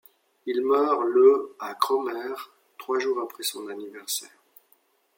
Il meurt le à Cromer, trois jours après son anniversaire.